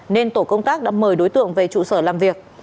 nên tổ công tác đã mời đối tượng về trụ sở làm việc